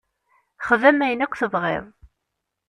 Xdem ayen akk tebɣiḍ.